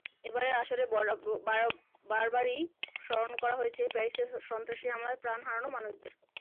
এবারের আসরে বারবারই স্মরণ করা হয়েছে প্যারিসে সন্ত্রাসী হামলায় প্রাণ হারানো মানুষদের।